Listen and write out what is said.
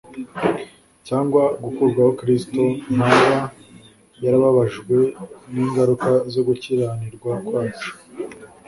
cyangwa gukurwaho Kristo ntaba yarababajwe n'ingaruka zo gukiranirwa kwacu.